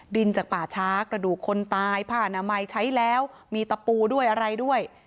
ดินจากป่าช้ากระดูกคนตายผ้านามัยใช้แล้วมีตะปูด้วยอะไรด้วย